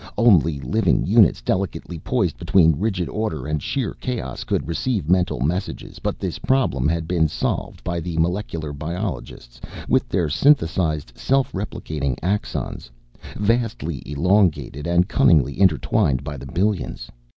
Only living units, delicately poised between rigid order and sheer chaos, could receive mental messages but this problem had been solved by the molecular biologists with their synthesized, self replicating axons, vastly elongated and cunningly intertwined by the billions.